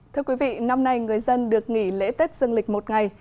thưa quý vị năm nay người dân được nghỉ lễ tết dương lịch một ngày